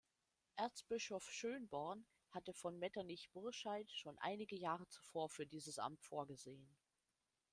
Erzbischof Schönborn hatte von Metternich-Burscheid schon einige Jahre zuvor für dieses Amt vorgesehen.